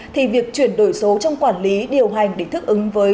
thì việc chuyển đổi số trong quản lý điều hành để thích ứng với